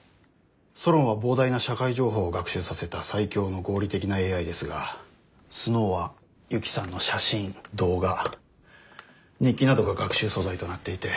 ソロンは膨大な社会情報を学習させた最強の合理的なＡＩですがスノウは雪さんの写真動画日記などが学習素材となっていて。